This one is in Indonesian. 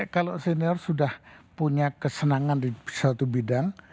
kalau senior sudah punya kesenangan di suatu bidang